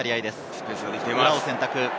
裏を選択。